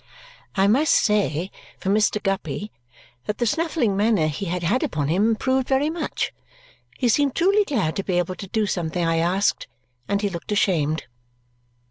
I must say for Mr. Guppy that the snuffling manner he had had upon him improved very much. He seemed truly glad to be able to do something I asked, and he looked ashamed.